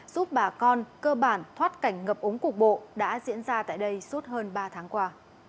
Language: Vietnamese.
giúp bà con cơ bản thoát cảnh ngập ống cục bộ đã diễn ra tại đây suốt hơn ba tháng qua